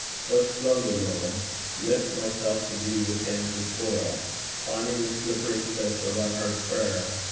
So slowly, Lord, To lift myself to thee with hands of toil, Climbing the slippery cliff of unheard prayer!